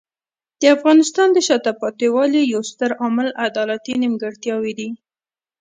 د افغانستان د شاته پاتې والي یو ستر عامل عدالتي نیمګړتیاوې دي.